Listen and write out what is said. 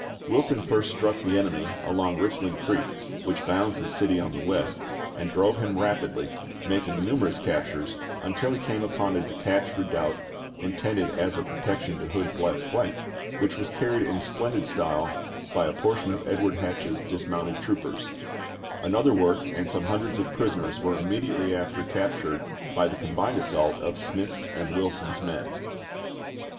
Wilson first struck the enemy along Richland Creek, which bounds the city on the west, and drove him rapidly, making numerous captures, until he came upon a detached redoubt, intended as a pro tection to Hood's left flank, which was carried in splendid style by a portion of Edward Hatch's dis mounted troopers ; another work and some hun dreds of prisoners were immediately after captured by the combined assault of Smith's and Wilson's men.